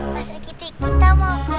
pas dikit dikit kita mau keluar